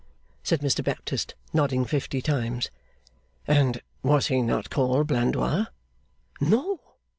said Mr Baptist, nodding fifty times. 'And was he not called Blandois?' 'No!